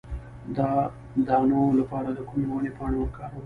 د دانو لپاره د کومې ونې پاڼې وکاروم؟